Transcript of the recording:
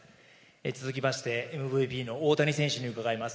続きまして、ＭＶＰの大谷選手に伺います。